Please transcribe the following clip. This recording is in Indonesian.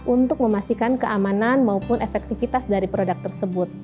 untuk memastikan keamanan maupun efektivitas dari produk tersebut